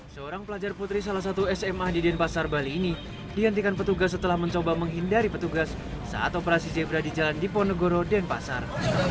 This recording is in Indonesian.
seorang pelajar putri salah satu sma di denpasar bali ini dihentikan petugas setelah mencoba menghindari petugas saat operasi zebra di jalan diponegoro denpasar